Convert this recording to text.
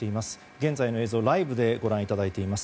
現在の映像、ライブでご覧いただいています。